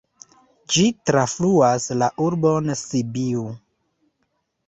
Ĝi trafluas la urbon Sibiu.